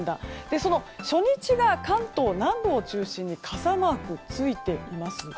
その日から、関東南部を中心に傘マークがついています。